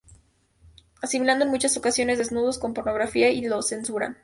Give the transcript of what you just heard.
asimilando en muchas ocasiones desnudos con pornografía y lo censuran